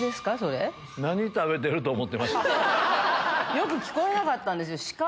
よく聞こえなかったんですよ。